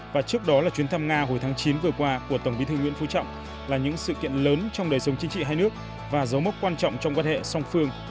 và trước đó là chuyến thăm nga hồi tháng chín vừa qua của tổng bí thư nguyễn phú trọng là những sự kiện lớn trong đời sống chính trị hai nước và dấu mốc quan trọng trong quan hệ song phương